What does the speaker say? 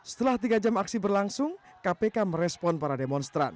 setelah tiga jam aksi berlangsung kpk merespon para demonstran